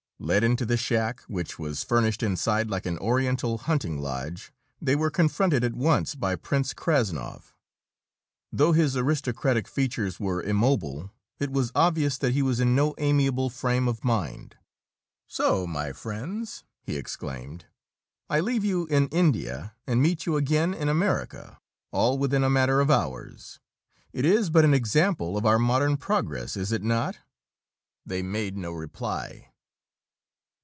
Led into the shack which was furnished inside like an Oriental hunting lodge they were confronted at once by Prince Krassnov. Though his aristocratic features were immobile, it was obvious that he was in no amiable frame of mind. "So, my friends!" he exclaimed. "I leave you in India, and meet you again in America, all within a matter of hours. It is but an example of our modern progress, is it not?" They made no reply.